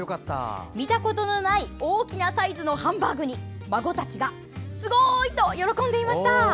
見たことのない大きなサイズのハンバーグに孫たちがすごーい！と喜んでいました。